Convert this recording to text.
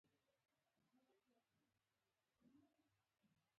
افغانستان د پکتیکا په اړه ډیر مشهور او زاړه تاریخی روایتونه لري.